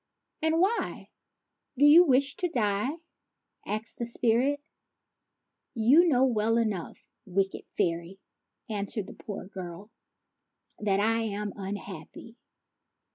" And why do v^u wish to die ?" asked the sprite. "You know well enough, wicked fairy," answered the poor girl, " that I am unhappy.